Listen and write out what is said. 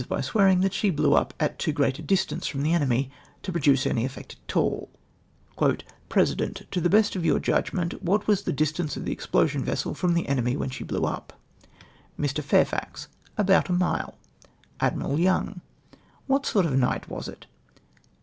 by swearing that she blew up at too great a distance from the enemy to produce any effect at all ! Pkesident. —" To the best of your judgment, wliat was the distance of the explosion vessel from the enemy when she blew up ?"' Mr. Fairfax. —" About a mile." Admiral Young. " What sort of a night was it